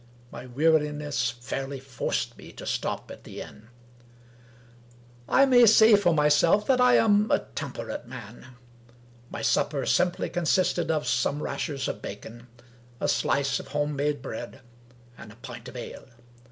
My weariness fairly forced me to stop at the inn. I may say for myself that I am a temperate man. My supper simply consisted of some rashers of bacon, a slice of home made bread, and a pint of ale.